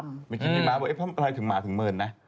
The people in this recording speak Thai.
มีหมาบอกถึงหมาถึงเมินนะ